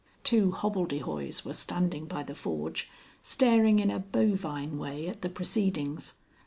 Two hobbledehoys were standing by the forge staring in a bovine way at the proceedings.